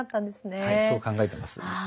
そう考えてます。